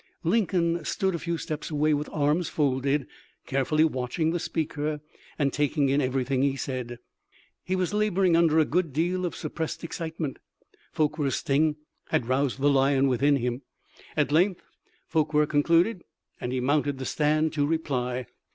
Lincoln stood a few steps away with arms folded, carefully watching the speaker and taking in everything he said. He was laboring under a good deal of suppressed excitement. Forquer's sting had roused the lion within him. At length For quer concluded, and he mounted the stand to reply.